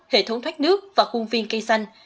hệ thống thoát nước và khuôn viên cây xanh